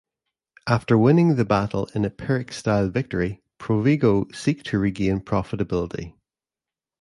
After winning the battle in a Pyrrhic style victory, Provigo seek to regain profitability.